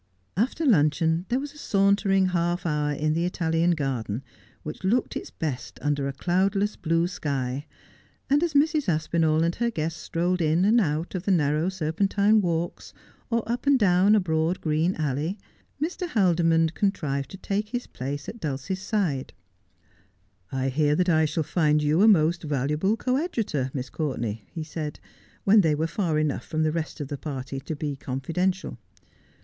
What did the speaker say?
After luncheon there was a sauntering half hour in the Italian garden, which looked its best under a cloudless blue sky ; and as Mrs. Aspinall and her guests strolled in and out of the narrow serpentine walks, or up and down a broad green alley, Mr. Haldi mond contrived to take his place at Dulcie's side, ' I hear that I shall find you a most valuable coadjutor, Miss Courtenay,' he said, when they were far enough from the rest of the party to be confidential.